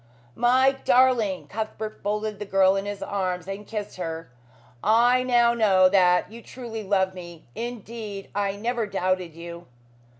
"My darling!" Cuthbert folded the girl in his arms and kissed her. "I now know that you truly love me. Indeed, I never doubted you."